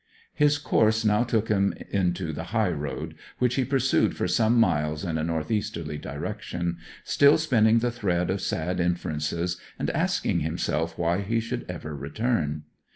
His course now took him into the high road, which he pursued for some miles in a north easterly direction, still spinning the thread of sad inferences, and asking himself why he should ever return.